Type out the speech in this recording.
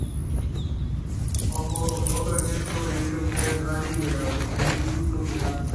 Otro ejemplo de ello fue el Rally del Automóvil Club de Portugal.